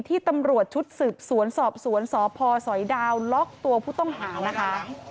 ที่ตำรวจชุดสืบสวนสอบสวนสพสอยดาวล็อกตัวผู้ต้องหานะคะ